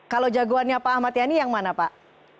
kalau jagoannya pak ahmad yani yang mana pak